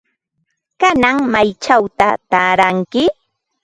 ¿Kanan maychawta taaranki?